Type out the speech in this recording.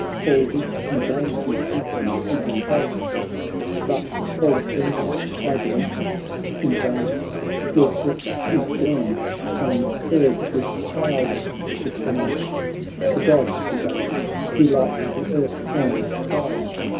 All which you bade me, Chieftains, to unfold ; But Pallas' vengeance I denounced in vain, Your threats he scorned, and heard with proud disdain. The God, he boasts, who lights the earth and skies.